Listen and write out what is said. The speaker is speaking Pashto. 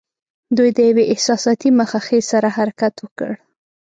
دوی د یوې احساساتي مخه ښې سره حرکت وکړ.